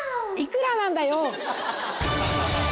いくらなんだよ！